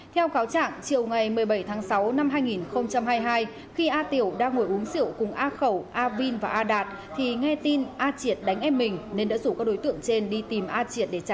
theo kháo trạng chiều ngày một mươi bảy tháng sáu năm hai nghìn hai mươi hai khi a tiểu đang ngồi uống rượu cùng a khẩu a vin và a đạt thì nghe tin a triệt đánh em mình